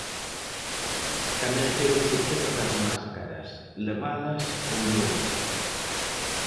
Tamén temos o tema das máscaras, levalas ou non.